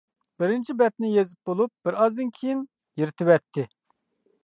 بىرىنچى بەتنى يېزىپ بولۇپ، بىر ئازدىن كېيىن يىرتىۋەتتى.